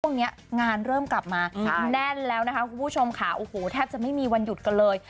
งานเริ่มกลับมาแน่นแล้วนะคะคุณผู้ชมค่ะโอ้โหแทบจะไม่มีวันหยุดกันเลย